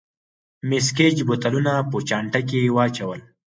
مېس ګېج بوتلونه په چانټه کې واچول.